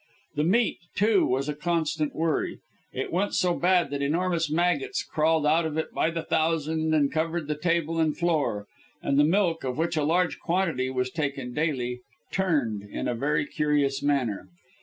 The meat, too, was a constant worry it went so bad that enormous maggots crawled out of it by the thousand and covered the table and floor; and the milk, of which a large quantity was taken daily, "turned" in a very curious manner.